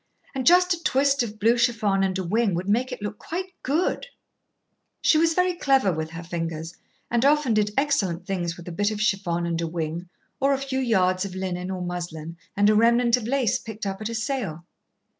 And just a twist of blue chiffon and a wing would make it look quite good." She was very clever with her fingers, and often did excellent things with a bit of chiffon and a wing, or a few yards of linen or muslin and a remnant of lace picked up at a sale.